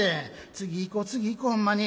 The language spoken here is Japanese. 次行こ次行こほんまに。